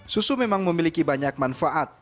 susu memang memiliki banyak manfaat